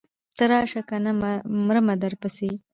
ته راشه کنه مرمه درپسې.